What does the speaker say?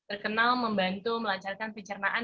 dan terkenal membantu melancarkan pecar matahari